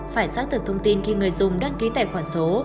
phải xác thực thông tin khi người dùng đăng ký tài khoản số